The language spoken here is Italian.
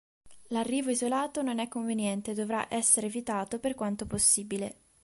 L'arrivo isolato non è conveniente e dovrà essere evitato per quanto possibile.